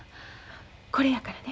これやからね。